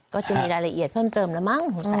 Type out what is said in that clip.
ก็จะมีรายละเอียดเพิ่มเติมแล้วมั้ง